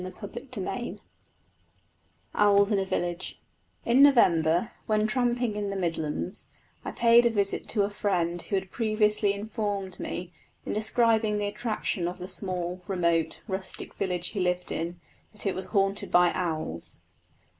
CHAPTER IX OWLS IN A VILLAGE In November, when tramping in the Midlands, I paid a visit to a friend who had previously informed me, in describing the attractions of the small, remote, rustic village he lived in, that it was haunted by owls.